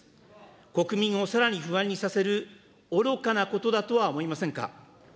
国民をさらに不安にさせる愚かなことだとは思いませんか。